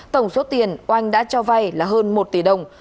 tổng số tiền oanh đã cho vay là hơn một tỷ đồng